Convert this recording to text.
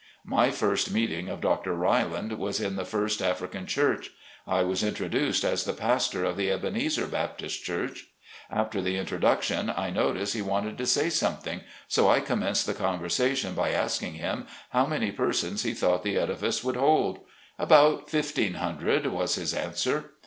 My first meeting of Dr. Riland was in the First African Church. I was introduced as the pastor of the Ebenezer Baptist Church ; after the introduction I noticed he wanted to say some thing, so I commenced the conversation by asking him how many persons he thought the edifice would hold. " About fifteen hundred," was his answer.